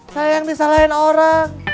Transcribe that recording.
saya yang disalahin orang